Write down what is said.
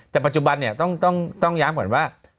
แต่ปัจจุบันเนี่ยต้องย้ำก่อนว่า